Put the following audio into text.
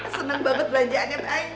seneng banget belanja anget anget